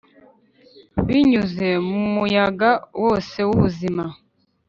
binyuze mu muyaga wose w'ubuzima,